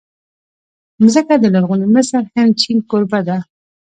مځکه د لرغوني مصر، هند، چین کوربه ده.